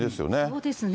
そうですね。